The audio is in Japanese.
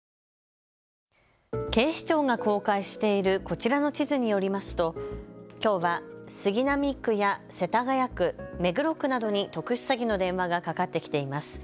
警視庁が公開しているこちらの地図によりますときょうは杉並区や世田谷区、目黒区などに特殊詐欺の電話がかかってきています。